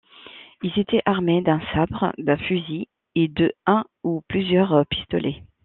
Ils étaient armés d'un sabre, d'un fusil, et de un ou plusieurs pistolets.